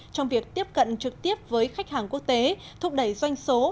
trong việc tiếp cận trực tiếp với khách hàng quốc tế thúc đẩy doanh số